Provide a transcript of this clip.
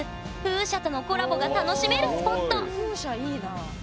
風車とのコラボが楽しめるスポット！わすごい。